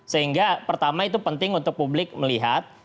sehingga pertama itu penting untuk publik melihat